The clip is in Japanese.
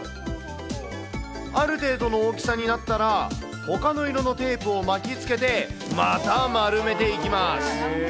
ある程度の大きさになったら、ほかの色のテープを巻きつけて、また丸めていきます。